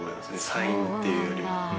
サインっていうより。